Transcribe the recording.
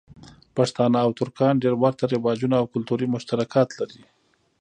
پښتانه او ترکان ډېر ورته رواجونه او کلتوری مشترکات لری.